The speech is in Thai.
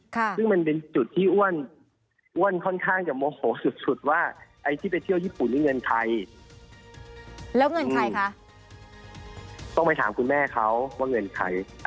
ต้องไปถามคุณแม่เขาว่าเงินใคร